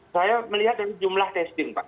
saya melihat dari jumlah testing pak